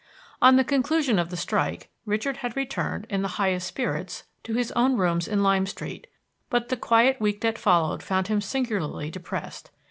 On the conclusion of the strike, Richard had returned, in the highest spirits, to his own rooms in Lime Street; but the quiet week that followed found him singularly depressed.